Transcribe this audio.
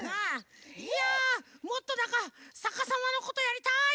いやもっとなんかさかさまのことやりたい！